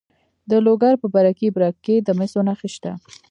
د لوګر په برکي برک کې د مسو نښې شته.